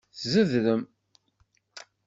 Tzedrem.